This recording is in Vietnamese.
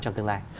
trong tương lai